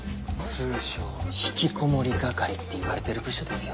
通称ひきこもり係っていわれてる部署ですよ。